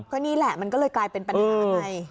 ก็นี่แหละมันก็เลยกลายเป็นปัญหาไง